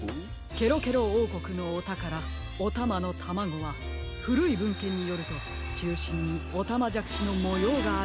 ケロケロおうこくのおたからおたまのタマゴはふるいぶんけんによるとちゅうしんにおたまじゃくしのもようがあるのです。